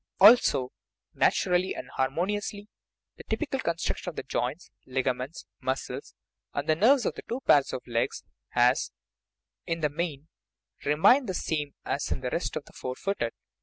Also, natural ly and harmoniously, the typical construction of the joints, ligaments, muscles, and nerves of the two pairs of legs has, in the main, remained the same as in the rest of the "four footed."